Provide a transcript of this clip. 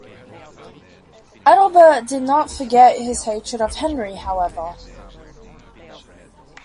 Adalbert did not forget his hatred of Henry, however.